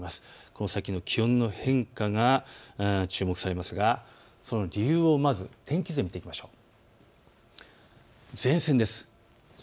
この先の気温の変化が注目されますが、その理由をまず天気図で見ていきましょう。